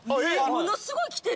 ものすごい来てる？